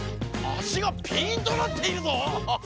足がピンとなっているぞ！